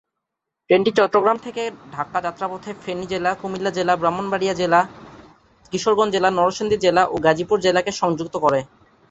ট্রেনটি চট্টগ্রাম থেকে ঢাকা যাত্রাপথে ফেনী জেলা, কুমিল্লা জেলা, ব্রাহ্মণবাড়িয়া জেলা, কিশোরগঞ্জ জেলা, নরসিংদী জেলা ও গাজীপুর জেলাকে সংযুক্ত করে।